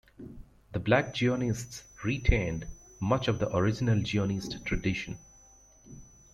The black Zionists retained much of the original Zionist tradition.